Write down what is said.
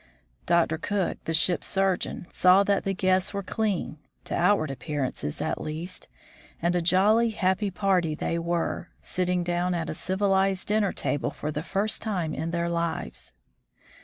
Dr. Cook, the ship's surgeon, saw that the guests were clean, to outward appearance at least, and a jolly, happy party they were, sitting down at a civil ized dinner table for the first time in their lives.